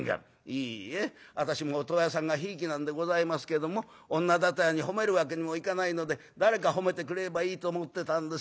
『いいえ私も音羽屋さんがひいきなんでございますけども女だてらに褒めるわけにもいかないので誰か褒めてくれればいいと思ってたんですよ。